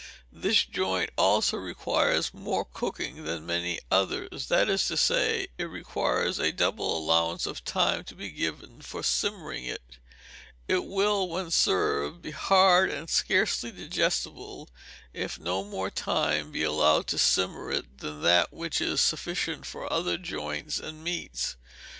This joint also requires more cooking than many others; that is to say, it requires a double allowance of time to be given for simmering it; it will, when served, be hard and scarcely digestible if no more time be allowed to simmer it than that which is sufficient for other joints and meats.